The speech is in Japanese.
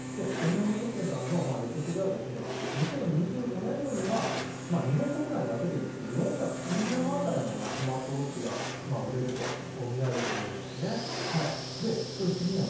ＭＭ総研さんの予測では２０２５年度には日本国内だけで４９０万台のスマートウォッチが売れるとみられているんです。